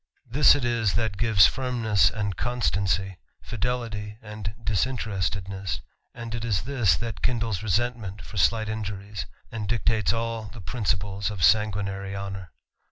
This it is that gives firmness and constancy, fidelity and disinterestedness, and it is this that kindles resentment for slight injuries, and dictates all the principles of sanguinary honour.